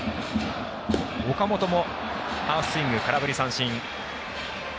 岡本もハーフスイング空振り三振。